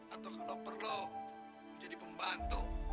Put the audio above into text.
atau kalau perlu menjadi pembantu